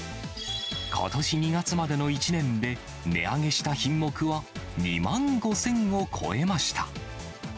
ことし２月までの１年で値上げした品目は２万５０００を超えました。